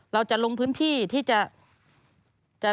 เราจะลงพื้นที่ที่จะ